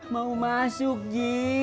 mau masuk ji